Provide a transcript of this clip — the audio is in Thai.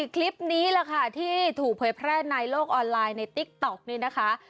คลิปนี้แหละค่ะที่ถูกเผยแพร่ในโลกออนไลน์ในติ๊กต๊อกนี่นะคะ